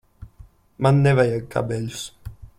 Man nevajag kabeļus.